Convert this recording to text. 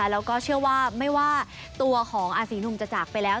แล้วก็เชื่อว่าไม่ว่าตัวของอาศีหนุ่มจะจากไปแล้ว